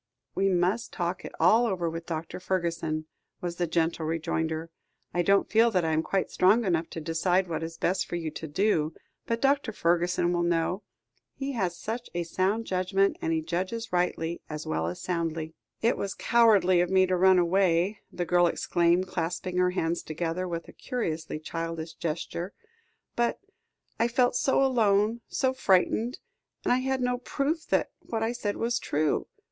"We must talk it all over with Dr. Fergusson," was the gentle rejoinder. "I don't feel that I am quite strong enough to decide what is best for you to do, but Dr. Fergusson will know. He has such a sound judgment, and he judges rightly, as well as soundly." "It was cowardly of me to run away," the girl exclaimed, clasping her hands together with a curiously childish gesture; "but I felt so alone so frightened and I had no proof that what I said was true.